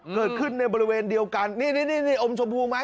เกิดขึ้นในบริเวณเดียวกันนี่นี่อมชมพูไหม